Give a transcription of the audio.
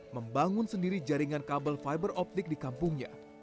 membangun sendiri jaringan kabel fiber optik di kampungnya